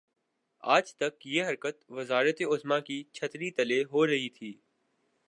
آج تک یہ حرکت وزارت عظمی کی چھتری تلے ہو رہی تھی۔